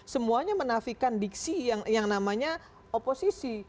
semuanya menafikan diksi yang namanya oposisi